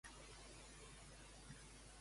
Qui va ser Èurit?